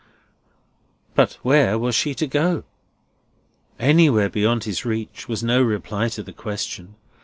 But where was she to go? Anywhere beyond his reach, was no reply to the question.